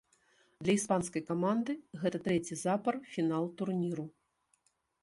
Для іспанскай каманды гэта трэці запар фінал турніру.